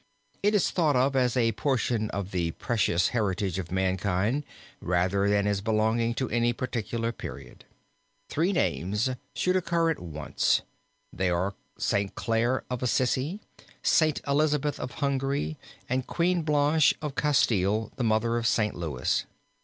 It is thought of as a portion of the precious heritage of mankind rather than as belonging to any particular period. Three names occur at once. They are St. Clare of Assisi, St. Elizabeth of Hungary, and Queen Blanche of Castile, the mother of St. Louis.